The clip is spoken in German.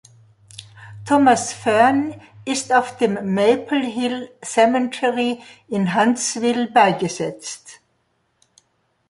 Thomas Fearn ist auf dem "Maple Hill Cemetery" in Huntsville beigesetzt.